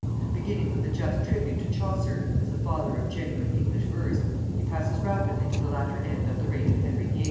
Beginning with a just tribute to Chaucer, as the father of genuine English verse, he passes rapidly to the latter end of the reign of Henry VIII.